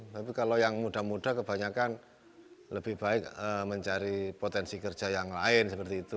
tapi kalau yang muda muda kebanyakan lebih baik mencari potensi kerja yang lain seperti itu